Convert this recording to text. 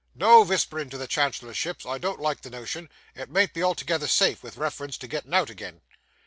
No visperin's to the Chancellorship I don't like the notion. It mayn't be altogether safe, vith reference to gettin' out agin.